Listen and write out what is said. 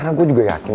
ini bukan kaya kain